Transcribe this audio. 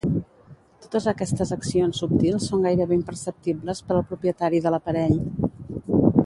Totes aquestes accions subtils són gairebé imperceptibles per al propietari de l’aparell.